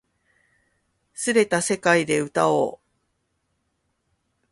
捻れた世界で歌おう